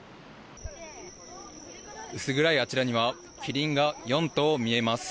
薄暗いあちらにはキリンが４頭見えます。